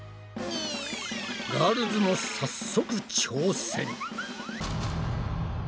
ガールズも早速挑戦！